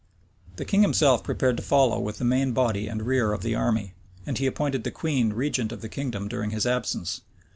The king himself prepared to follow with the main body and rear of the army; and he appointed the queen regent of the kingdom during his absence.